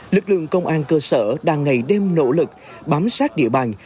lực lượng công an cơ sở đang ngày đêm nỗ lực bám sát địa bàn